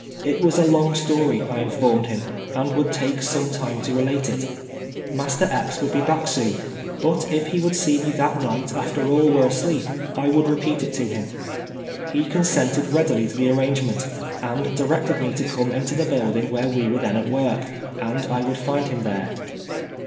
It was a long story, I informed him, and would take some time to relate it. Master Epps would be back soon, but if he M'ould see me that night after all were asleej), I would repeat it to him. He consented readily to the ar rangement, and directed me to come into the building where we were then at work, and I would find him there.